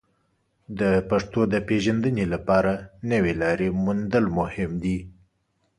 د پښتو د پیژندنې لپاره نوې لارې موندل مهم دي.